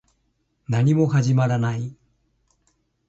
何も始まらない